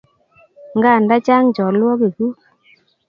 Nganda chang' chalwogiguk